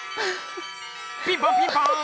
ピンポンピンポン！